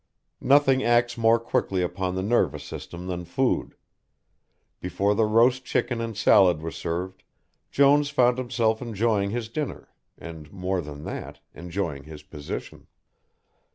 Nothing acts more quickly upon the nervous system than food; before the roast chicken and salad were served, Jones found himself enjoying his dinner, and, more than that, enjoying his position.